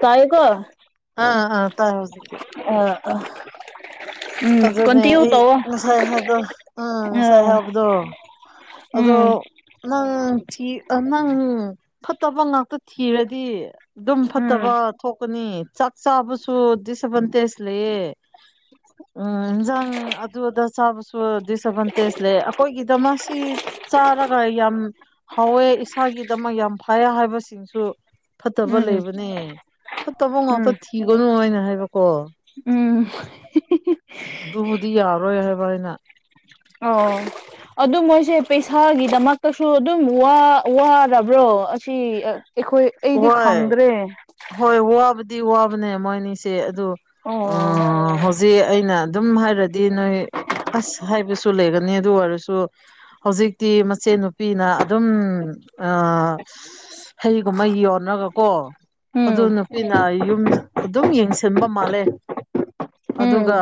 ꯇꯥꯏ ꯀꯣ꯫ ꯑ ꯑ ꯇꯥꯑꯦ ꯍꯧꯖꯤꯛꯇꯤ꯫ [unintelligible] ꯎꯝ ꯑꯗꯨꯅꯦ ꯀꯟꯇꯤꯅ꯭ꯌꯨ ꯑꯩ ꯇꯧꯑꯣ ꯉꯁꯥꯏ ꯍꯥꯏꯕꯗꯣ ꯑꯥ ꯑ꯫ ꯎꯝ꯫ ꯑꫭ ꯅꯪ ꯊꯤ ꯅꯪ ꯐꯠꯇꯕ ꯉꯥꯛꯇ ꯊꯤꯔꯗꯤ ꯑꯗꯨꯝ ꯎꯝ ꯐꯠꯇꯕ ꯊꯣꯛꯀꯅꯤ ꯆꯥꯛ ꯆꯥꯕꯁꯨ ꯗꯤꯁꯑꯦꯠꯚꯥꯟꯇꯦꯖ ꯂꯩꯌꯦ꯫ ꯎꯝ ꯏꯟꯖꯥꯡ ꯑꯗꯨꯑꯗꯥ ꯆꯥꯕꯁꯨ ꯗꯤꯁꯑꯦꯗꯚꯥꯟꯇꯦꯖ ꯂꯩꯌꯦ ꯑꯈꯣꯏꯒꯤꯗꯃꯛꯁꯤ ꯆꯥꯔꯒ ꯌꯥꯝ ꯍꯥꯎꯋꯦ ꯏꯁꯥꯒꯤꯗꯃꯛ ꯌꯥꯝ ꯐꯩꯌꯦ ꯍꯥꯏꯕꯁꯤꯡꯁꯨ ꯐꯠꯇꯕ ꯎꯝ ꯂꯩꯕꯅꯦ ꯐꯠꯇꯕ ꯎꯝ ꯉꯥꯛꯇ ꯊꯤꯒꯅꯨ ꯍꯥꯏꯅ ꯍꯥꯏꯕꯀꯣ꯫ ꯎꯝ꯫ ꯑꯗꯨꯕꯨꯗꯤ ꯌꯥꯔꯣꯏ ꯍꯥꯏꯕ ꯑꯩꯅ꯫ ꯑꯣ ꯑꯗꯨ ꯃꯣꯏꯁꯦ ꯄꯩꯁꯥꯒꯤꯗꯃꯛꯇꯁꯨ ꯑꯗꯨꯝ ꯋꯥꯔꯕ꯭ꯔꯣ ꯑꯁꯤ ꯑꯩꯈꯣꯏ ꯑꯩꯗꯤ ꯍꯣꯏ ꯈꯪꯗ꯭ꯔꯦ ꯍꯣꯏ ꯋꯥꯕꯗꯤ ꯋꯥꯕꯅꯦ ꯃꯣꯏ ꯑꯅꯤꯁꯦ ꯑꯗꯨ ꯑꯣ ꯑꯣ ꯍꯧꯖꯤꯛ ꯑꯩꯅ ꯑꯗꯨꯝ ꯍꯥꯏꯔꯗꯤ ꯅꯣꯏ ꯑꯁ ꯍꯥꯏꯕꯁꯨ ꯂꯩꯒꯅꯤ ꯑꯗꯨ ꯑꯣꯏꯔꯁꯨ ꯍꯧꯖꯤꯛꯇꯤ ꯃꯆꯦ ꯅꯨꯨꯄꯤꯅ ꯑꯗꯨꯝ ꯑꯥ ꯀꯨꯝꯃꯩ ꯌꯣꯟꯅꯥꯕꯥ ꯀꯣ ꯎꯝ ꯑꯗꯨꯅ ꯇꯤꯅꯥ ꯌꯨꯝ ꯑꯗꯨꯝ ꯌꯦꯡꯁꯤꯟꯕ ꯃꯥꯜꯂꯦ ꯎꯝ ꯑꯗꯨꯒ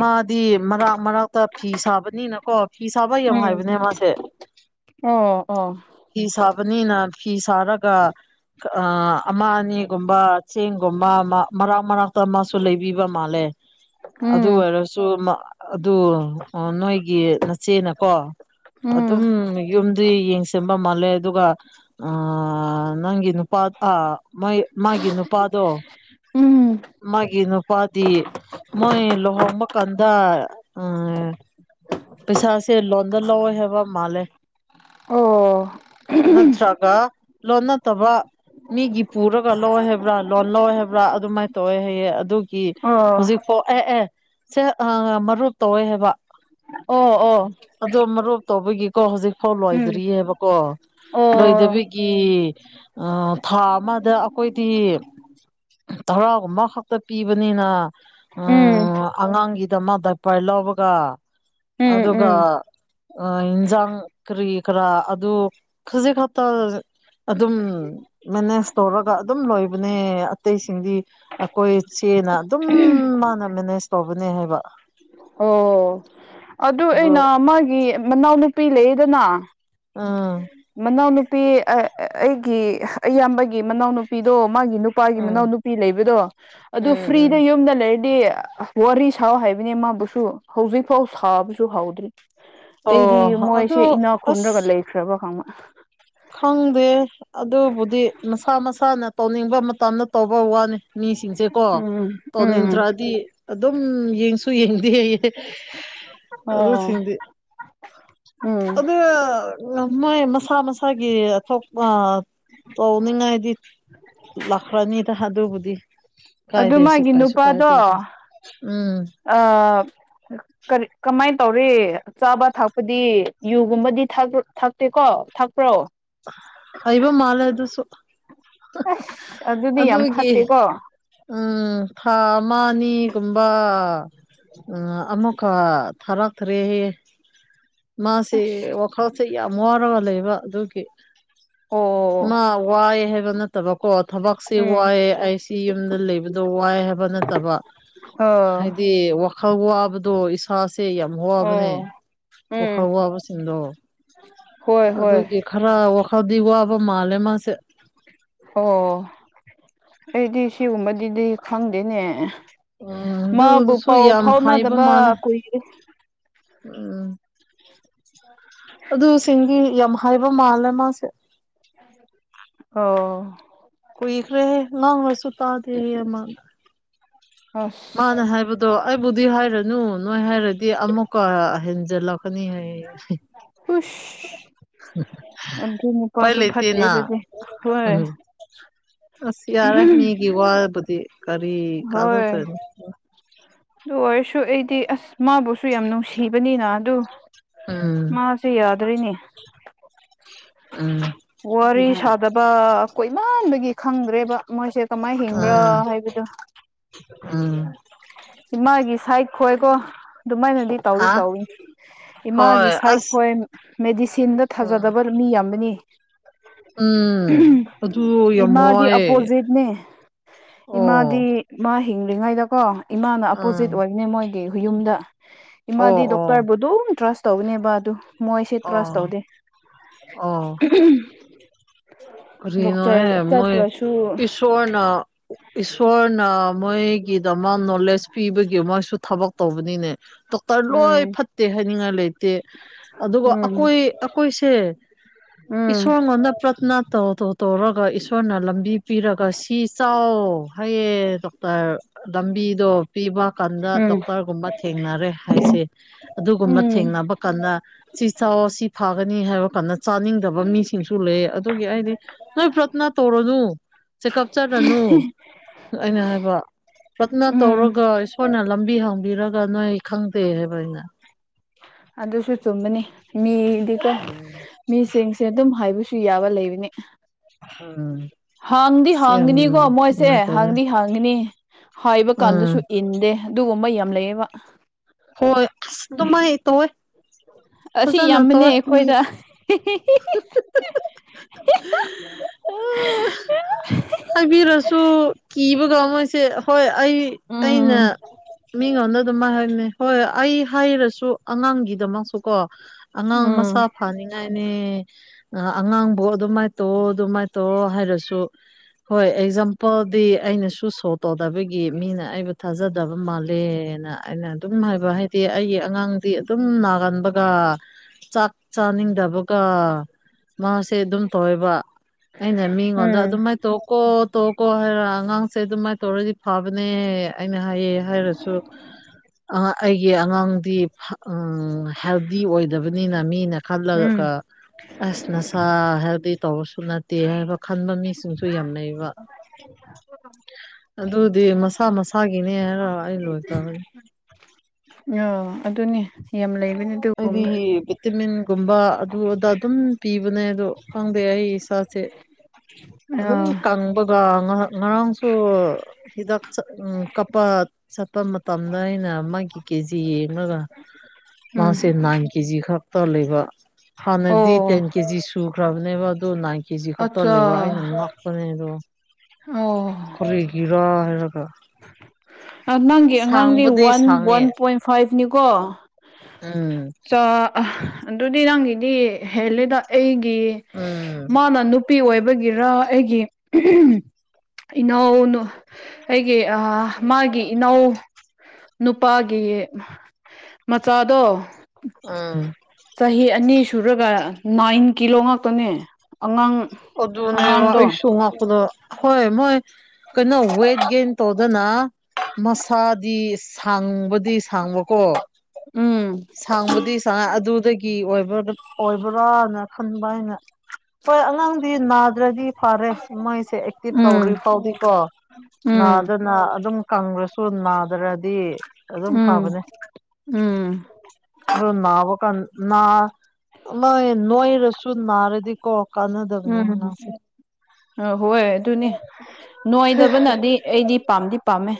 ꯃꯥꯗꯤ ꯃꯔꯛ ꯃꯔꯥꯛꯇ ꯐꯤ ꯁꯥꯕꯅꯤꯅꯀꯣ ꯐꯤ ꯁꯥꯕ ꯎꯝ ꯌꯦꯡꯎꯍꯥꯏꯕꯅꯦ ꯃꯥꯁꯦ [inaudible] ꯑꯣ ꯑꯣ ꯐꯤ ꯁꯥꯥꯕꯅꯤꯅ ꯐꯤꯁꯔꯒ ꯑ ꯑꯃ ꯑꯅꯤꯒꯨꯝꯕ ꯆꯦꯡꯒꯨꯝꯕ ꯃꯔꯥꯛ ꯃꯔꯥꯛꯇ ꯑꯃꯁꯨ ꯂꯩꯕꯤꯕ ꯃꯥꯜꯂꯦ ꯑꯗꯨ ꯎꯝ ꯑꯣꯏꯔꯁꯨ ꯑꯗꯨ ꯅꯣꯏꯒꯤ ꯅꯆꯦꯅꯀꯣ ꯎꯝ ꯑꯗꯨꯝ ꯌꯨꯝꯗꯤ ꯌꯦꯡ ꯁꯤꯟꯕ ꯃꯥꯜꯂꯦ ꯑꯗꯨꯒ ꯑꯥ ꯑꯥ ꯅꯪꯒꯤ ꯅꯨꯄꯥ ꯑꯥ ꯃꯥꯏ ꯃꯥꯒꯤ ꯅꯨꯄꯥꯗꯣ ꯎꯝ ꯃꯥꯒꯤ ꯅꯨꯄꯥꯗꯤ ꯃꯣꯏ ꯂꯨꯍꯣꯡꯕ ꯀꯟꯗ ꯎꯃ ꯄꯩꯁꯥꯁꯦ ꯂꯣꯟꯗ ꯂꯧꯑꯦ ꯍꯥꯕ ꯃꯥꯂꯦ ꯑꯣ [unintelligible] ꯂꯣꯟ ꯅꯠꯇꯕ ꯃꯤꯒꯤ ꯄꯨꯔꯒ ꯂꯧꯋꯦ ꯍꯥꯏꯕ꯭ꯔꯥ ꯂꯣꯟ ꯂꯧꯋꯦ ꯍꯥꯏꯕ꯭ꯔꯥ ꯑꯗꯨꯃꯥꯏꯅ ꯇꯧꯋꯦ ꯍꯥꯏꯌꯦ ꯑꯗꯨꯒꯤ ꯑꯣ ꯍꯧꯖꯤꯛꯐꯥꯎ ꯑꯦ ꯑꯦ ꯁꯦ ꯃꯔꯨꯞ ꯇꯧꯋꯦ ꯍꯥꯏꯕ ꯑꯣ ꯑꯣ ꯑꯗꯣ ꯃꯔꯨꯞ ꯇꯧꯕꯒꯤꯀꯣ ꯍꯧꯖꯤꯛꯐꯥꯎ ꯎꯝ ꯂꯣꯏꯗ꯭ꯔꯤꯑꯕꯀꯣ ꯑꯣ ꯂꯣꯏꯗꯕꯤꯒꯤ ꯀꯤ ꯑꯥꯥ ꯊꯥ ꯑꯃꯗ ꯑꯩꯈꯣꯏꯗꯤ ꯊꯔꯥꯒꯨꯝꯕ ꯈꯛꯇ ꯄꯤꯕꯅꯤꯅ ꯎꯝ [unintelligible] ꯑꯉꯥꯡꯒꯤꯗꯃꯛ ꯗꯄꯥꯔ ꯂꯧꯕꯒ ꯎꯝ ꯑꯗꯨꯒ ꯎꯝ ꯌꯦꯟꯁꯥꯡ ꯀꯔꯤ ꯀꯔꯥ ꯑꯗꯨ ꯈꯖꯤꯛ ꯈꯛꯇ ꯑꯗꯨꯝ ꯃꯦꯅꯦꯖ ꯇꯧꯔꯒ ꯑꯗꯨꯝ ꯂꯣꯏꯕꯅꯦ ꯑꯇꯩꯁꯤꯡꯗꯤ ꯑꯩꯈꯣꯏ ꯆꯦꯅ ꯑꯗꯨꯝ ꯃꯥꯅ ꯃꯦꯅꯦꯖ ꯇꯧꯕꯅꯦ ꯍꯥꯏꯕ ꯑꯣ ꯑꯗꯨ ꯑꯗꯣ ꯑꯩꯅ ꯃꯥꯒꯤ ꯃꯅꯥꯎꯅꯨꯄꯤ ꯂꯩꯌꯦꯗꯅ ꯎꯝ ꯃꯅꯥꯎꯅꯨꯄꯤ ꯑ ꯑꯩꯒꯤ ꯑꯌꯥꯝꯕꯒꯤ ꯃꯅꯥꯎꯅꯨꯄꯤꯗꯣ ꯃꯥꯒꯤ ꯅꯨ ꯅꯨꯄꯥꯒꯤ ꯎꯝ ꯃꯅꯥꯎ ꯅꯨꯄꯤ ꯂꯩꯕꯗꯣ ꯑꯗꯨ ꯎꯝ ꯎꯝ ꯐ꯭ꯔꯤꯗ ꯌꯨꯝꯗ ꯂꯩꯔꯗꯤ ꯋꯥꯔꯤ ꯁꯥꯎ ꯍꯥꯏꯕꯅꯦ ꯃꯥꯕꯨꯁꯨ ꯍꯧꯖꯤꯛ ꯐꯥꯎ ꯁꯥꯕꯁꯨ ꯍꯧꯗ꯭ꯔꯤ ꯑꯣ ꯑꯩꯗꯤ ꯑꯗꯨ ꯃꯣꯏꯁꯦ ꯏꯅꯥ ꯈꯨꯟꯔꯒ ꯑꯁ ꯂꯩꯈ꯭ꯔꯕ ꯈꯪ ꯈꯪꯗꯦ ꯑꯗꯨꯕꯨꯗꯤ ꯃꯁꯥ ꯃꯁꯥꯅ ꯇꯧꯅꯤꯡꯕ ꯃꯇꯝꯗ ꯇꯧꯕ ꯋꯥꯅꯤ ꯃꯤꯁꯤꯡꯁꯦꯀꯣ ꯎꯝ ꯎꯝ ꯇꯧꯅꯤꯡꯇ꯭ꯔꯗꯤ ꯑꯗꯨꯝ ꯌꯦꯡ ꯌꯦꯡꯗꯤꯌꯦ ꯑꯗꯨ ꯑꯣ ꯁꯤꯡꯗꯤ ꯎꯝ ꯑꯣꯗ ꯃꯣꯏ ꯃꯁꯥ ꯃꯁ ꯁꯥꯒꯤ ꯑꯊꯣꯛꯄ ꯇꯧꯅꯤꯡꯉꯥꯏꯗꯤ ꯂꯥꯛꯈ꯭ꯔꯅꯤꯗ ꯑꯗꯨꯕꯨꯗꯤ ꯑꯗꯨ ꯀꯥꯏꯗꯦꯁꯨ ꯃꯥꯒꯤ ꯀꯩꯁꯨ ꯀꯥꯏꯗꯦ ꯎꯝ ꯑꯥ ꯀꯔꯤ ꯀꯃꯥꯏꯟ ꯇꯧꯔꯤ ꯆꯥꯕ ꯊꯛꯄꯗꯤ ꯌꯨꯒꯨꯝꯕꯗꯤ ꯊꯛ [unintelligible] ꯊꯥꯛꯇꯦꯀꯣ ꯊꯥꯛꯄ꯭ꯔꯣ ꯍꯩꯕꯥ ꯃꯥꯂꯦ ꯑꯗꯨꯁꯨ ꯑꯁ ꯑꯗꯨꯗꯤ ꯌꯥꯝ ꯑꯗꯨꯒꯤ ꯐꯠꯇꯦꯀꯣ ꯎꯝ ꯊꯥ ꯑꯃꯥ ꯑꯅꯤꯒꯨꯝꯕ ꯎꯝ ꯑꯃꯨꯛꯀꯥ ꯊꯥꯔꯛꯇ꯭ꯔꯦꯍꯦ ꯃꯥꯁꯤ ꯋꯥꯈꯜꯁꯦ ꯌꯥꯝ ꯋꯥꯔꯒ ꯂꯩꯕ ꯑꯗꯨꯒꯤ ꯑꯣ ꯃꯥ ꯋꯥꯏ ꯍꯥꯏꯕ ꯅꯠ ꯇꯕꯀꯣ ꯊꯕꯛꯁꯤ ꯎꯝ ꯋꯥꯏ ꯑꯩꯁꯤ ꯌꯨꯝꯗ ꯂꯩꯕꯗꯣ ꯋꯥꯏ ꯍꯥꯏꯕ ꯅꯠꯇꯕ ꯑ ꯍꯥꯏꯗꯤ ꯋꯥꯈꯜ ꯋꯥꯕꯗꯣ ꯏꯁ ꯐꯥꯁꯦ ꯌꯥꯝ ꯋꯥꯕꯅꯦ ꯑꯣ ꯋꯥꯈꯜ ꯎꯝ ꯋꯥꯕꯁꯤꯡꯗꯣ ꯍꯣꯏ ꯍꯣꯏ ꯑꯗꯨꯒꯤ ꯈꯔ ꯋꯥꯈꯜꯗꯤ ꯋꯥꯕ ꯃꯥꯜꯂꯦ ꯃꯥꯁꯦ ꯑꯣ ꯑꯩꯗꯤ ꯁꯤꯒꯨꯝꯕꯗꯤꯗꯤ ꯈꯪꯗꯦꯅꯦ ꯎꯝ ꯃꯥꯕꯨ ꯑꯗꯨꯗꯨꯁꯨ ꯄꯥꯎ ꯌꯥꯝ ꯍꯥꯏꯕ ꯐꯥꯎꯅꯗꯕ ꯃꯥꯜꯂꯦ ꯀꯨꯏꯔꯦ ꯎꯝ ꯑꯗꯨꯁꯤꯡꯒꯤ ꯌꯥꯝ ꯍꯥꯏꯕ ꯃꯥꯜꯂꯦ ꯃꯥꯁꯦ ꯑꯣ ꯀꯨꯏꯈ꯭ꯔꯦꯍꯦ ꯉꯥꯡꯔꯁꯨ ꯇꯥꯗ꯭ꯔꯦꯌꯦ ꯃꯥ ꯑꯁ ꯃꯥꯅ ꯍꯥꯏꯕꯗꯣ ꯑꯩꯕꯨꯗꯤ ꯍꯥꯏꯔꯅꯨ ꯅꯣꯏ ꯍꯥꯏꯔꯗꯤ ꯑꯃꯨꯛꯀꯥ ꯍꯦꯟꯖꯜꯂꯛꯀꯥꯅꯤ ꯍꯥꯏꯌꯦ ꯍꯨꯁ ꯑꯗꯨ ꯎꯄꯥꯏ ꯅꯨꯄꯥꯁꯨ ꯐꯠꯇꯦ ꯂꯩꯇꯦꯅ ꯑꯗꯨꯗꯤ ꯍꯣꯏ ꯎꯝ ꯑꯁ ꯌꯥꯔꯦ ꯃꯤꯒꯤ ꯋꯥꯕꯨꯗꯤ ꯀꯔꯤ ꯍꯣꯏ ꯀꯥꯟꯅꯗꯣꯏꯅꯣ ꯑꯗꯨ ꯑꯣꯏꯔꯁꯨ ꯑꯩꯗꯤ ꯑꯁ ꯃꯥꯕꯨꯁꯨ ꯌꯥꯝ ꯅꯨꯡꯁꯤꯕꯅꯤꯅ ꯑꯗꯨ ꯎꯝ ꯃꯥꯁꯦ ꯌꯥꯗ꯭ꯔꯦꯅꯦ ꯎꯝ ꯋꯥꯔꯤ ꯁꯥꯗꯕ ꯀꯣꯏꯃꯥꯟꯕꯒꯤ ꯈꯪꯗ꯭ꯔꯦꯕ ꯃꯣꯏꯁꯦ ꯀꯃꯥꯏ ꯍꯤꯕ꯭ꯔꯥ ꯎꯝ ꯍꯥꯏꯕꯗꯨ ꯎꯝ ꯏꯃꯥꯒꯤ ꯁꯥꯏꯠ ꯈꯣꯏꯀꯣ ꯑꯗꯨꯃꯥꯏꯅꯗꯤ ꯇꯧꯗꯤ ꯍꯥ ꯇꯧꯏ ꯏꯃꯥꯒꯤ ꯍꯣꯏ ꯑꯁ ꯁꯥꯏꯠꯈꯣꯏ ꯃꯦꯗꯤꯁꯤꯟꯗ ꯎꯝ ꯊꯥꯖꯗꯕ ꯃꯤ ꯌꯥꯝꯕꯅꯤ ꯎꯝ ꯑꯗꯨ ꯌꯥꯝ ꯏꯃꯥꯗꯤ ꯋꯥꯏꯌꯦ ꯑꯄꯣꯖꯤꯠꯅꯦ ꯏꯃꯥꯗꯤ ꯑꯣ ꯃꯥ ꯍꯤꯡꯂꯤꯉꯩꯗꯀꯣ ꯏꯃꯥꯅ ꯑꯄꯣꯖꯤꯠ ꯎꯝ ꯑꯣꯏꯕꯅꯦ ꯃꯣꯏꯒꯤ ꯍꯨꯌꯨꯝꯗ ꯑꯣ ꯏꯃꯥꯗꯤ ꯑꯣ ꯗꯣꯛꯇꯔꯕꯨ ꯑꯗꯨꯝ ꯇ꯭ꯔꯁ ꯇꯧꯕꯅꯦꯕ ꯑꯗꯨ ꯃꯣꯏꯁꯦ ꯇ꯭ꯔꯁ ꯑꯣ ꯇꯧꯗꯦ ꯑꯣ ꯎꯝ ꯗꯣꯛꯇꯔ ꯀꯔꯤꯅꯣꯍꯦ ꯃꯣꯏ ꯆꯠꯇ꯭ꯔꯥꯁꯨ [unintelligible] ꯏꯁꯣꯔꯅ ꯃꯣꯏꯒꯤꯗꯃꯛ ꯅꯣꯂꯦꯖ ꯄꯤꯕꯒꯤ ꯃꯣꯏꯁꯨ ꯊꯕꯛ ꯇꯧꯕꯅꯤꯅꯦ ꯗꯣꯛꯇꯔ ꯂꯣꯏ ꯎꯝ ꯐꯠꯇꯦ ꯍꯥꯏꯅꯤꯡꯉꯥꯏ ꯂꯩꯇꯦ ꯑꯗꯨꯒ ꯎꯝ ꯑꯀꯣꯏ ꯑꯀꯣꯏꯁꯦ ꯎꯝ ꯏꯁꯁꯣꯔ ꯉꯝꯅ ꯄ꯭ꯔꯠꯅ ꯇꯧ ꯇꯧ ꯇꯧꯔꯒ ꯏꯁꯣꯔꯅ ꯂꯝꯕꯤ ꯄꯤꯔꯒ ꯁꯤ ꯆꯥꯎ ꯍꯥꯏꯌꯦ ꯗꯣꯛꯇꯔ ꯂꯝꯕꯤꯗꯣ ꯄꯤꯕ ꯀꯥꯟꯗ ꯎꯝ ꯗꯣꯛꯇꯔꯒꯨꯝꯕ ꯊꯦꯡꯅꯔꯦ ꯍꯥꯏꯁꯦ ꯑꯗꯨꯒꯨꯝꯕ ꯎꯝ ꯊꯦꯡꯅꯕ ꯀꯥꯟꯗ ꯁꯤ ꯆꯥꯎꯑꯣ ꯁꯤ ꯐꯥꯒꯅꯤ ꯍꯥꯏꯕ ꯀꯥꯟꯗ ꯆꯥꯅꯤꯡꯗꯕ ꯃꯤ ꯁꯤꯡꯁꯨ ꯂꯩ ꯑꯗꯨꯒꯤ ꯑꯩꯗꯤ ꯅꯣꯏ ꯄ꯭ꯔꯊꯅꯥ ꯇꯧꯔꯅꯨ ꯆꯦꯀꯞ ꯆꯠꯔꯅꯨ ꯑꯩꯅ ꯍꯥꯏꯕ ꯄ꯭ꯔꯠꯅ ꯎꯝ ꯇꯧꯔꯒ ꯏꯁꯣꯔꯅ ꯂꯝꯕꯤ ꯍꯥꯡꯕꯤꯔꯒ ꯒ ꯅꯣꯏ ꯈꯪꯗꯦ ꯍꯥꯏꯕ ꯑꯩꯅ ꯑꯗꯨꯁꯨ ꯆꯨꯝꯕꯅꯤ ꯃꯤꯗꯤꯀꯣ ꯃꯤꯁꯤꯡ ꯑꯗꯨꯝ ꯍꯥꯏꯕꯁꯨ ꯌꯥꯕ ꯂꯩꯕꯅꯤ ꯎꯝ ꯍꯥꯡꯗꯤ ꯁꯤ ꯌꯥꯝ ꯍꯥꯡꯒꯅꯤꯀꯣ ꯃꯣꯏꯁꯦ ꯅꯨꯡꯉꯥꯏꯇꯕꯅꯦ ꯍꯥꯡꯗꯤ ꯍꯥꯡꯒꯅꯤ ꯍꯥꯏꯕ ꯎꯝ ꯀꯥꯟꯗꯁꯨ ꯏꯟꯗꯦ ꯑꯗꯨꯒꯨꯝꯕ ꯌꯥꯝ ꯂꯩꯌꯦꯕ ꯍꯣꯏ ꯑꯁ ꯑꯗꯨꯃꯥꯏ ꯇꯧꯋꯦ ꯑꯁꯤ ꯐꯖꯅ ꯌꯥꯝꯕꯅꯦ ꯑꯩꯈꯣꯏꯗ [unintelligible] ꯑꯣ ꯍꯥꯏꯕꯤꯔꯁꯨ ꯀꯤꯕꯒ ꯃꯣꯏꯁꯦ ꯍꯣꯏ ꯑꯩ ꯑꯩꯅ ꯎꯝ ꯃꯤꯉꯣꯟꯗ ꯑꯗꯨꯃꯥꯏ ꯍꯥꯏꯕꯅꯦ ꯍꯣꯏ ꯑꯩ ꯍꯥꯏꯔꯁꯨ ꯑꯉꯥꯡꯒꯤꯗꯃꯛꯁꯨ ꯀꯣ ꯑꯉꯥꯡ ꯃꯁꯥ ꯎꯝ ꯐꯅꯤꯡꯉꯥꯏꯅꯦ ꯑꯉꯥꯡꯕꯨ ꯑꯗꯨꯃꯥꯏꯅ ꯇꯧ ꯑꯗꯨꯃꯥꯏꯅ ꯇꯧ ꯍꯥꯏꯔꯁꯨ ꯍꯣꯏ ꯑꯦꯛꯖꯥꯝꯄꯜꯗꯤ ꯑꯩꯅꯁꯨ ꯁꯣ ꯇꯧꯗꯕꯒꯤ ꯃꯤꯅ ꯑꯩꯕꯨ ꯊꯥꯖꯗ ꯇꯕ ꯃꯥꯜꯂꯦꯅ ꯑꯩꯅ ꯑꯗꯨꯝ ꯍꯥꯏꯕ ꯍꯥꯏꯗꯤ ꯑꯩꯒꯤ ꯑꯉꯥꯡꯗꯤ ꯑꯗꯨꯝ ꯅꯥꯒꯟꯕꯒ ꯆꯥꯛ ꯆꯥꯅꯤꯡꯗꯕꯒ ꯃꯥꯁꯦ ꯑꯗꯨꯝ ꯇꯧꯋꯦꯕ ꯑꯩꯅ ꯃꯤꯉꯣꯟꯗ ꯑꯗꯨꯝꯃꯥꯏꯅ ꯇꯣꯛ ꯀꯣ ꯇꯣ ꯀꯣ ꯍꯥꯏꯔ ꯑꯉꯥꯡꯁꯦ ꯑꯗꯨꯃꯥꯏꯅ ꯇꯧꯔꯗꯤ ꯐꯕꯅꯦ ꯑꯩꯅ ꯍꯥꯏꯌꯦ ꯍꯥꯏꯔꯁꯨ ꯑ ꯑꯩꯒꯤ ꯑꯉꯥꯡꯗꯤ ꯑ ꯍꯦꯜꯗꯤ ꯑꯣꯏꯗꯕꯅꯤꯅ ꯃꯤꯅ ꯈꯜꯂꯒ ꯑꯁ ꯅꯁꯥ ꯍꯦꯜꯗꯤ ꯇꯧꯕꯁꯨ ꯅꯠꯇꯦ ꯍꯥꯏꯕ ꯈꯟꯕ ꯃꯤꯁꯤꯡꯁꯨ ꯌꯥꯝ ꯂꯩꯕ ꯑꯗꯨꯗꯤ ꯃꯁꯥ ꯃꯁꯥꯒꯤꯅꯦ ꯍꯥꯏꯔ ꯑꯩ ꯂꯣꯏꯈ꯭ꯔꯕꯅꯦ ꯎꯝ ꯑꯌꯣ ꯑꯗꯨꯅꯦ ꯌꯥꯝ ꯂꯩꯕꯅꯤ ꯑꯗꯨ ꯍꯥꯏꯗꯤ ꯚꯤꯇꯃꯤꯟꯒꯨꯝꯕ ꯑꯗꯨ ꯑꯗ ꯑꯗꯨꯝ ꯄꯤꯕꯅꯦ ꯑꯗꯣ ꯈꯪꯗꯦ ꯑꯩ ꯏꯁꯥꯁꯦ ꯑꯗꯨꯝ ꯑꯥ ꯀꯪꯕꯒ ꯉꯔꯥꯡꯁꯨ ꯍꯤꯗꯥꯛ ꯆꯥ ꯑꯝ ꯀꯥꯄꯥ ꯆꯠꯄ ꯃꯇꯝꯗ ꯑꯩꯅ ꯃꯥꯒꯤ ꯀꯦꯖꯤ ꯌꯦꯡꯔꯒ ꯎꯝ ꯃꯥꯁꯤ ꯅꯥꯏꯟ ꯀꯦꯖꯤ ꯈꯛꯇ ꯂꯩꯕ ꯑꯣ ꯍꯥꯟꯅꯗꯤ ꯇꯦꯟ ꯀꯦꯖꯤ ꯁꯨꯈ꯭ꯔꯕꯅꯦꯕ ꯑꯗꯣ ꯅꯥꯏꯟ ꯀꯦꯖꯤ ꯈꯛꯇ ꯑꯠꯆꯥ ꯂꯩꯕ ꯑꯩꯅ ꯉꯥꯛꯄꯅꯦ ꯑꯗꯣ ꯑꯣ ꯀꯔꯤꯒꯤꯔꯥ ꯍꯥꯏꯔꯒ ꯅꯪꯒꯤ ꯑꯉꯥꯡꯗꯤ ꯁꯥꯡꯕꯗꯤ ꯋꯥꯟ ꯋꯥꯟ ꯁꯥꯡꯉꯦ ꯄꯣꯏꯟ ꯐꯥꯏꯚꯅꯤꯀꯣ ꯎꯝ ꯆ ꯑꯗꯨꯗꯤ ꯅꯪꯒꯤꯗꯤ ꯍꯦꯜꯂꯦꯗ ꯑꯩꯒꯤ ꯎꯝ ꯃꯥꯅ ꯅꯨ ꯅꯨꯄꯤ ꯑꯣꯏꯕꯒꯤꯔ ꯑꯩꯒꯤ ꯏꯅꯥꯎꯅ ꯑꯩꯒꯤ ꯑ ꯃꯥꯒꯤ ꯏꯅꯥꯎ ꯅꯨꯄꯥꯒꯤ ꯃꯆꯥꯗꯣ ꯑꯝ ꯆꯍꯤ ꯑꯅꯤ ꯁꯨꯔꯒ ꯅꯥꯏꯟ ꯀꯤꯂꯣ ꯉꯥꯛꯇꯅꯦ ꯑꯉꯥꯡ ꯑꯗꯨꯅꯦꯕꯥ ꯑꯉꯥꯡꯗꯣ ꯑꯩꯁꯨ ꯉꯛꯄꯗꯣ ꯍꯣꯏ ꯃꯣꯏ ꯀꯩꯅꯣ ꯋꯦꯠ ꯒꯦꯟ ꯇꯧꯗꯅ ꯃꯁꯥꯗꯤ ꯁꯥꯡꯕꯗꯤ ꯁꯥꯡꯕꯀꯣ ꯎꯝ ꯁꯥꯡꯕꯗꯤ ꯁꯥꯏ ꯑꯗꯨꯗꯒꯤꯕ ꯑꯣꯏꯕ꯭ꯔꯥꯅ ꯈꯟꯕ ꯑꯩꯅ ꯍꯣꯏ ꯑꯉꯥꯡꯗꯤ ꯅꯥꯗ꯭ꯔꯗꯤ ꯐꯔꯦ ꯃꯣꯏꯁꯦ ꯑꯦꯛꯇꯤꯞ ꯎꯝ ꯇꯧꯔꯤ ꯐꯥꯎꯗꯤꯀꯣ ꯎꯝ ꯅꯥꯗꯅ ꯑꯗꯨꯝ ꯀꯪꯔꯁꯨ ꯅꯥꯗꯔꯗꯤ ꯑꯗꯨꯝ ꯎꯝ ꯐꯕꯅꯦ ꯎꯝ ꯑꯗꯣ ꯅꯥꯕ ꯀꯥꯟ ꯅꯥ ꯅꯣꯏ ꯅꯣꯏꯔꯁꯨꯝ ꯅꯥꯔꯗꯤ ꯀꯣ ꯀꯥꯟꯅꯗꯕꯅꯦ ꯑꯉꯥꯡꯁꯦ ꯑꯥ ꯍꯣꯏ ꯑꯗꯨꯅꯤ ꯅꯣꯏꯗꯕꯅꯗꯤ ꯑꯩꯗꯤ ꯄꯥꯝꯗꯤ ꯄꯥꯝꯃꯦ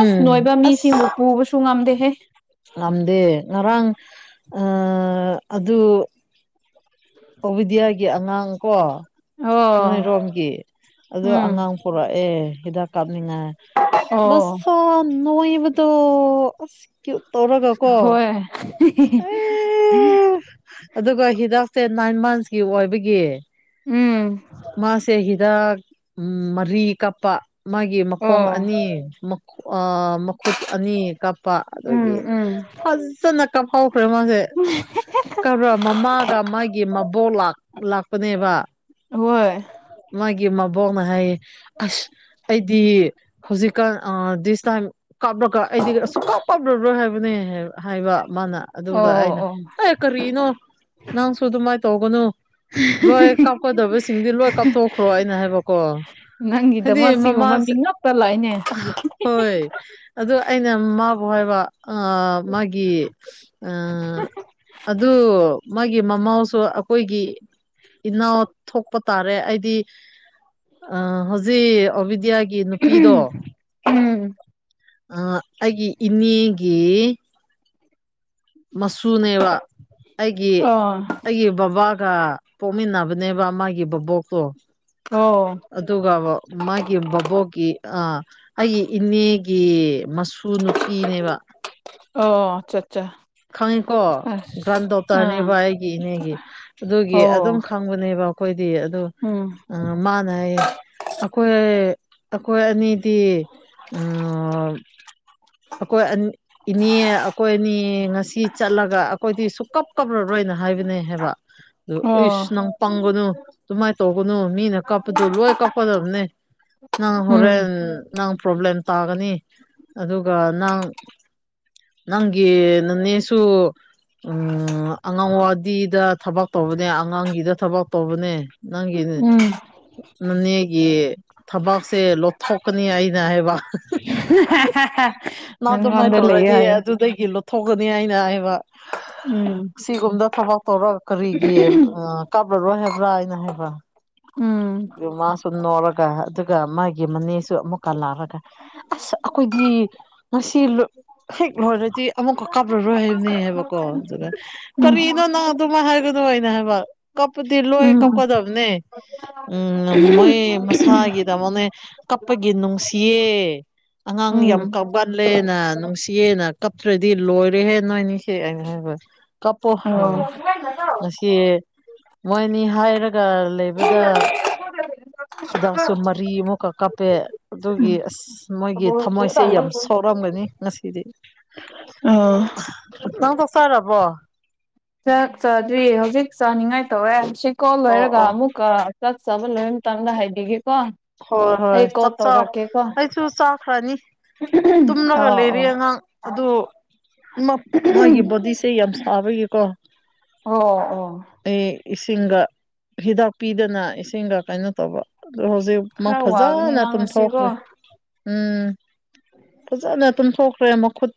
ꯑꯁ ꯅꯣꯏꯕ ꯃꯤꯁꯤꯡꯕꯨ ꯑꯁ ꯄꯨꯕꯁꯨ ꯉꯝꯗꯦꯍꯦ ꯉꯝꯗꯦ ꯉꯔꯥꯡ ꯑꯥ ꯑꯗꯨ ꯑꯣꯕꯤꯗꯤꯌꯥꯒꯤ ꯑꯉꯥꯡꯀꯣ ꯑꯣ ꯅꯣꯏꯔꯣꯝꯒꯤ ꯑꯗꯣ ꯎꯝ ꯑꯉꯥꯡ ꯄꯨꯔꯛꯑꯦ ꯍꯤꯗꯥꯛ ꯀꯥꯞꯅꯤꯡꯉꯥꯏ ꯑꯣ ꯅꯁꯥ ꯅꯣꯏꯕꯗꯣ [unintelligible] ꯇꯧꯔꯒꯀꯣ ꯍꯣꯏ [unintelligible] ꯑꯗꯨꯒ ꯍꯤꯗꯛꯁꯦ ꯅꯥꯏꯟ ꯃꯟꯁꯀꯤ ꯑꯣꯏꯕꯒꯤ ꯎꯝ ꯃꯥꯁꯦ ꯍꯤ ꯗꯛ ꯃꯔꯤ ꯀꯥꯞꯄ ꯃꯥꯒꯤ ꯃꯈꯣꯡ ꯑꯣ ꯑꯅꯤ ꯃꯥ ꯑꯥ ꯃꯈꯨꯠ ꯑꯅꯤ ꯀꯥꯞꯄ ꯎꯝ ꯑꯗꯒꯤ ꯎꯝ ꯐꯖꯅ ꯀꯥꯞꯐꯧꯈ꯭ꯔꯦ ꯃꯥꯁꯦ ꯀꯞꯔꯥ ꯃꯃꯥꯒ ꯃꯥꯒꯤ ꯃꯕꯣꯛ ꯂꯥꯛ ꯂꯥꯛꯄꯅꯦꯕ ꯍꯣꯏ ꯃꯣꯏꯒꯤ ꯃꯕꯣꯛꯅ ꯍꯥꯏꯌꯦ ꯑꯁ ꯑꯩꯗꯤ ꯍꯧꯖꯤꯛꯀꯥꯟ ꯑꯥ ꯗꯤꯁ ꯇꯥꯏꯝ ꯀꯥꯞꯔꯒ ꯑꯩꯗꯤ ꯑꯁꯨꯛ ꯀꯥꯞ ꯀꯥꯞꯔꯔꯣꯏ ꯍꯥꯏꯕꯅꯦ ꯍꯥꯏꯕ ꯃꯥꯅ ꯑꯗꯨꯗ ꯑꯣ ꯑꯩꯅ ꯑꯣ ꯍꯦ ꯀꯔꯤꯅꯣ ꯅꯪꯁꯨ ꯑꯗꯨꯃꯥꯏ ꯇꯧꯒꯅꯨ ꯔꯣꯏ ꯀꯥꯞꯀꯗꯕꯁꯤꯡꯗꯤ ꯂꯣꯏ ꯀꯥꯞꯊꯣꯛꯈ꯭ꯔꯣ ꯑꯩꯅ ꯍꯥꯏꯕꯀꯣ ꯅꯪꯒꯤꯗꯃꯛ ꯍꯥꯏꯗꯤ ꯁꯤꯒꯨꯝꯕ ꯃꯃꯥꯁꯦ ꯃꯤꯉꯞꯛꯇ ꯂꯥꯛꯑꯅꯦ ꯍꯣꯏ ꯑꯗꯨ ꯑꯩꯅ ꯃꯥꯕꯨ ꯍꯥꯏꯕ ꯑꯥ ꯃꯥꯒꯤ ꯑꯥ ꯑꯗꯨ ꯃꯥꯒꯤ ꯃꯃꯥꯎꯁꯨ ꯑꯩꯈꯣꯏꯒꯤ ꯏꯅꯥꯎ ꯊꯣꯛꯄ ꯇꯥꯔꯦ ꯑꯩꯗꯤ ꯑꯥ ꯍꯧꯖꯤꯛ ꯑꯣꯕꯤꯗꯤ꯭ꯌꯥꯒꯤ ꯅꯨꯄꯤꯗꯣ ꯎꯝ ꯑꯥ ꯑꯩꯒꯤ ꯏꯅꯦꯒꯤ ꯃꯁꯨꯅꯦꯕ ꯑꯩꯒꯤ ꯑ ꯑꯩꯒꯤ ꯕꯕꯥꯒ ꯄꯣꯛꯃꯤꯟꯅꯕꯅꯦꯕ ꯃꯥꯒꯤ ꯕꯕꯣꯛꯇꯣ ꯑꯣ ꯑꯗꯨꯒꯕ ꯃꯥꯒꯤ ꯕꯕꯣꯛꯒꯤ ꯑꯥ ꯑꯩꯒꯤ ꯏꯅꯦꯒꯤ ꯃꯁꯨ ꯅꯨꯄꯤꯅꯦꯕ ꯑꯣ ꯆꯠ ꯈꯪꯉꯤꯀꯣ ꯒ꯭ꯔꯥꯟ ꯑꯥ ꯗꯣꯇꯔꯅꯦꯕ ꯑꯩꯒꯤ ꯏꯅꯦꯒꯤ ꯑꯗꯨꯒꯤ ꯑꯗꯨꯝ ꯑꯣ ꯈꯪꯕꯅꯦꯕ ꯑꯩꯈꯣꯏꯗꯤ ꯑꯗꯣ ꯎꯝ ꯃꯥꯅ ꯍꯥꯏꯌꯦ ꯑꯩꯈꯣꯏ ꯑꯩꯈꯣꯏ ꯑꯅꯤꯗꯤ ꯎꯝ ꯑꯩꯈꯣꯏ ꯑꯅꯤ ꯏꯅꯦ ꯑꯩꯈꯣꯏ ꯑꯅꯤ ꯉꯁꯤ ꯆꯠꯂꯒ ꯑꯩꯈꯣꯏꯗꯤ ꯁꯨꯛꯀꯞ ꯀꯞꯔꯔꯣꯏꯅ ꯍꯥꯏꯕꯅꯦ ꯍꯥꯏꯕ ꯑꯗꯨ ꯏꯁ ꯑꯣ ꯅꯪ ꯄꯪꯒꯅꯨ ꯑꯗꯨꯃꯥꯏ ꯇꯧꯒꯅꯨ ꯃꯤꯅ ꯀꯞꯄꯗꯣ ꯂꯣꯏ ꯀꯞꯀꯗꯕꯅꯦ ꯅꯪ ꯎꯝ ꯍꯣꯔꯦꯟ ꯅꯪ ꯄ꯭ꯔꯣꯕꯂꯦꯝ ꯇꯥꯒꯅꯤ ꯑꯗꯨꯒ ꯅꯪ ꯅꯪꯒꯤ ꯅꯅꯦꯁꯨ ꯎꯝ ꯑꯉꯥꯡꯋꯥꯗꯤꯗ ꯊꯕꯛ ꯇꯧꯕꯅꯦ ꯑꯉꯥꯡꯒꯤꯗ ꯊꯕꯛ ꯇꯧꯕꯅꯦ ꯅꯪꯒꯤꯅꯦ ꯎꯝ ꯅꯅꯦꯒꯤ ꯊꯕꯛꯁꯦ ꯂꯧꯊꯣꯛꯀꯅꯤ ꯑꯩꯅ ꯍꯥꯏꯕ ꯅꯪ ꯑꯗꯨꯃꯥꯏꯅ ꯅꯪꯉꯣꯟꯗ ꯂꯩꯌꯦ ꯇꯧꯔꯗꯤ ꯍꯥꯏꯌꯣ ꯑꯗꯨꯗꯒꯤ ꯂꯣꯠꯊꯣꯛꯀꯅꯤ ꯍꯥꯏꯅ ꯍꯥꯏꯕ꯫ ꯎꯝ꯫ ꯁꯤꯒꯨꯝꯗ ꯊꯕꯛ ꯇꯧꯔꯒ ꯀꯔꯤꯒꯤ ꯑ ꯀꯥꯞꯂꯔꯣꯏ ꯍꯥꯏꯕ꯭ꯔꯥ ꯑꯩꯅ ꯍꯥꯏꯕ꯫ ꯎꯝ ꯑꯗꯨ ꯃꯥꯁꯨ ꯅꯣꯛꯔꯒ ꯑꯗꯨꯒ ꯃꯥꯒꯤ ꯃꯅꯦꯁꯨ ꯑꯃꯨꯛꯀ ꯂꯥꯛꯔꯒ ꯑꯁ ꯑꯩꯈꯣꯏꯗꯤ ꯉꯁꯤ ꯂꫭꯏ ꯍꯦꯛ ꯂꯣꯏꯔꯗꯤ ꯑꯃꯨꯛꯀ ꯀꯥꯞꯂꯔꯣꯏ ꯍꯥꯏꯕꯅꯦ ꯍꯥꯏꯕꯀꯣ ꯑꯗꯨꯒ ꯎꯝ ꯀꯔꯤꯅꯣ ꯅꯪ ꯑꯗꯨꯃꫭꯏ ꯍꯥꯏꯒꯗꯣꯏ ꯑꯩꯅ ꯍꯥꯏꯕ ꯀꯞꯄꯨꯗꯤ ꯂꯣꯏ ꯎꯝ ꯀꯞꯀꯗꯕꯅꯦ꯫ ꯎꯝ ꯃꯣꯏ ꯃꯁꯥꯒꯤ ꯗꯃꯛꯅꯦ ꯀꯞꯄꯒꯤ ꯅꯨꯡꯁꯤꯌꯦ꯫ ꯑꯉꯥꯡ ꯌꯥꯝ ꯎꯝ ꯀꯞꯕ ꯂꯦꯅ ꯅꯨꯡꯁꯤꯌꯦꯅ ꯀꯞꯇ꯭ꯔꯗꯤ ꯂꯣꯏꯔꯦꯍꯦ ꯅꯣꯏꯅꯤꯁꯦ ꯑꯩꯅ ꯍꯥꯏꯕ꯫ ꯀꯥꯞꯄꯣ ꯍꯥꯏꯕꯅꯦ ꯑꯣ ꯉꯁꯤ ꯃꯣꯏꯅꯤ ꯍꯥꯏꯔꯒ ꯂꯩꯕꯗꯥ ꯍꯤꯗꯥꯛꯁꯨ ꯃꯔꯤ ꯑꯃꯨꯛꯀꯛ ꯀꯥꯞꯄꯦ ꯑꯗꯨꯒꯤ ꯑꯁ ꯃꯣꯏꯒꯤ ꯊꯝꯃꯣꯏꯁꯦ ꯌꯥꯝ ꯁꯣꯛꯔꯝꯒꯅꯤ ꯉꯁꯤꯗꯤ꯫ ꯑꫭ꯫ ꯅꯪ ꯆꯛ ꯆꯥꯔꯕꯣ꯫ ꯆꯥꯛ ꯆꯥꯗ꯭ꯔꯤ ꯍꯧꯖꯤꯛ ꯆꯥꯅꯤꯡꯉꯥꯏ ꯇꯧꯋꯦ ꯁꯤ ꯀꯣꯜ ꯑꯣ ꯂꯣꯏꯔꯒ ꯑꯣ ꯑꯃꯨꯛ ꯀꯥ ꯆꯥꯛ ꯆꯥꯕ ꯂꯣꯏꯔ ꯃꯇꯝꯗ ꯍꯥꯏꯗꯤꯒꯦꯀꯣ꯫ ꯍꯣꯏ ꯍꯣꯏ ꯆꯛ ꯆꯥꯑꫭ ꯑꯩꯁꯨ ꯆꯥꯈ꯭ꯔꯅꯤ꯫ ꯇꯨꯝꯂꯒ ꯑꯣ ꯑꯣ ꯂꯩꯔꯤ ꯑꯉꯥꯡ ꯑꯗꯨ ꯃꯞ ꯃꯥꯒꯤ ꯕꯣꯗꯤꯁꯦ ꯌꯥꯝ ꯁꯥꯕꯒꯤꯀꯣ꯫ ꯑꯣ ꯑꯣ ꯑꯦ ꯏꯁꯤꯡꯒ ꯍꯤꯗꯥꯛ ꯄꯤꯗꯅ ꯏꯁꯤꯡꯒ ꯀꯩꯅꯣ ꯇꯧꯕ ꯑꯗꯨ ꯍꯧꯖꯤꯛ ꯃꯥ ꯈꯔ ꯋꯥꯒꯅꯤ ꯐꯖꯥꯅ ꯅꯪ ꯉꯁꯤꯀꯣ ꯇꯨꯝꯊꯣꯛꯈ꯭ꯔꯦ꯫ ꯎꯝ ꯐꯖꯅ ꯇꯝꯊꯣꯛꯈ꯭ꯔꯦ ꯃꯈꯨꯠ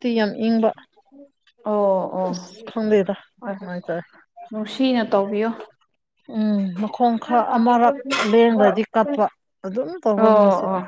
ꯑꯣ ꯑꯣ ꯑꯁ ꯈꯪꯗꯦꯗ ꯍꯣꯏ ꯅꯨꯡꯉꯥꯏꯇꯔꯦ ꯅꯨꯡꯁꯤꯅ ꯇꯧ ꯇꯧꯕꯤꯌꯣ꯫ ꯎꯝ ꯃꯈꯣꯡ ꯈꯔ ꯑꯃꯔꯛ ꯂꯦꯡꯒ꯭ꯔꯗꯤ ꯀꯞꯄ ꯑꯗꯨꯝ ꯇꯧꯕ ꯑꯣ ꯃꯥꯁꯦ꯫ ꯑꯣ